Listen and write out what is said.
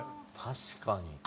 確かに。